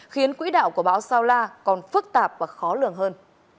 khiến quỹ đảo của báo saula còn phức tạp và khó lường hơn